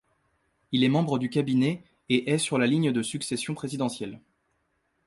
Il est membre du cabinet et est sur la ligne de succession présidentielle.